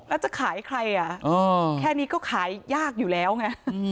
แล้วจะขายใครอ่ะแค่นี้ก็ขายยากอยู่แล้วไง